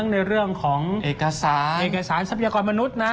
ในเรื่องของเอกสารสัพยากรมนุษย์